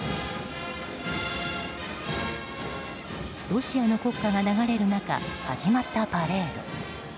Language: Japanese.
ロシアの国歌が流れる中始まったパレード。